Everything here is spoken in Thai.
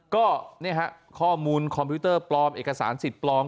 ก็เนี่ยฮะข้อมูลคอมพิวเตอร์ปลอมเอกสารสิทธิ์ปลอม